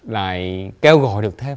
lại kêu gọi được thêm